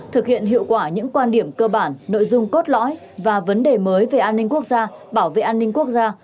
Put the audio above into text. thực hiện hiệu quả những quan điểm cơ bản nội dung cốt lõi và vấn đề mới về an ninh quốc gia bảo vệ an ninh quốc gia